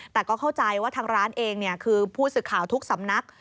แต่ก็เข้าใจว่าทางร้านเองคือผู้สื่อข่าวทุกสำนัก